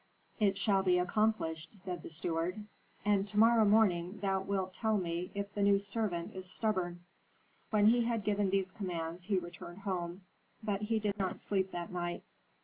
"It shall be accomplished," said the steward. "And to morrow morning thou wilt tell me if the new servant is stubborn." When he had given these commands, he returned home; but he did not sleep that night.